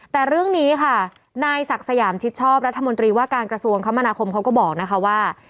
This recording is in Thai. แต่เรื่องนี้ค่ะนายศักดิ์สยามชิดชอบรัฐมนตรีว่าการกระทรวงคมนาคมเขาก็บอกนะคะว่า